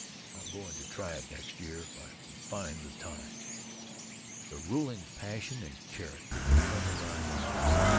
I'm going to try it next year if I can find the time." The ruling passion and character determine our lives.